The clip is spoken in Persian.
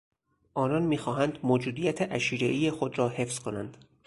آنان میخواهند موجودیت عشیرهای خود را حفظ کنند.